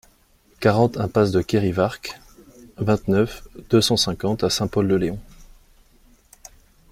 quarante impasse de Kerivarc'h, vingt-neuf, deux cent cinquante à Saint-Pol-de-Léon